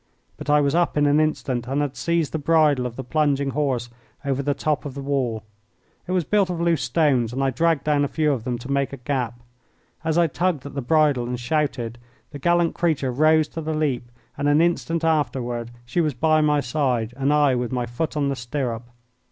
But I was up in an instant and had seized the bridle of the plunging horse over the top of the wall. It was built of loose stones, and I dragged down a few of them to make a gap. As I tugged at the bridle and shouted the gallant creature rose to the leap, and an instant afterward she was by my side and I with my foot on the stirrup.